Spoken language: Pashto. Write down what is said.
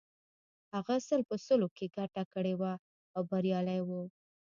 هغه سل په سلو کې ګټه کړې وه او بریالی و